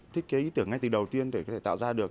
thiết kế ý tưởng ngay từ đầu tiên để có thể tạo ra được